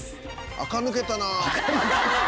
あか抜けたな。